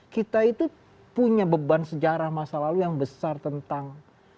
kita itu punya beban sejarah masa lalu yang besar tentang